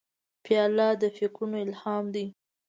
پیاله د فکرونو الهام ده.